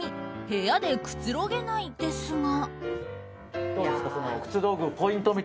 部屋でくつろげない、ですが。